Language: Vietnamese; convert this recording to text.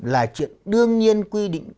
là chuyện đương nhiên quy định